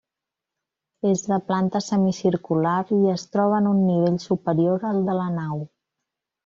És de planta semicircular, i es troba en un nivell superior al de la nau.